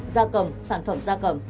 da cầm sản phẩm da cầm